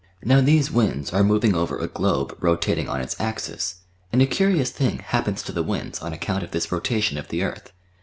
Now these winds are moving over a globe rotating on its axis, and a curious thing happens to the winds on account of this rotation of the earth.